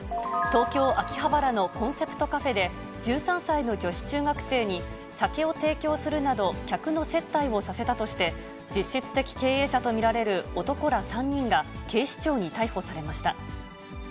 東京・秋葉原のコンセプトカフェで、１３歳の女子中学生に、酒を提供するなど、客の接待をさせたとして、実質的経営者として男ら３人が、警視庁に逮捕されました。